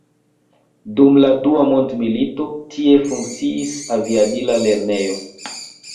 Dum la dua mondmilito, tie funkciis aviadila lernejo.